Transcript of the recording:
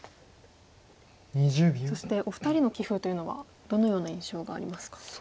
そしてお二人の棋風というのはどのような印象がありますか。